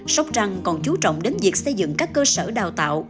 sóc trăng còn chú trọng đến việc xây dựng các cơ sở đào tạo